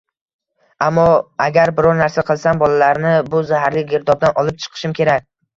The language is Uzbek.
Ammo agar biror narsa qilsam, bolalarni bu zaharli girdobdan olib chiqishim kerak